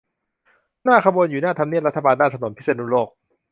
หน้าขบวนอยู่หน้าทำเนียบรัฐบาล ด้านถนนพิษณุโลก